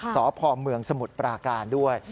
สพเมืองสมุทรปราการด้วย